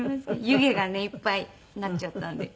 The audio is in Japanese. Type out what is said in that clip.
湯気がねいっぱいになっちゃったんで。